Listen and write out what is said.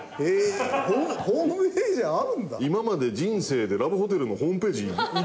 今まで人生でラブホテルのホームページいった事ないわ。